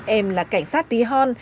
em là cảnh sát tí hon